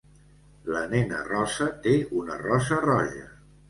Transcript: La nena rossa té una rosa roja.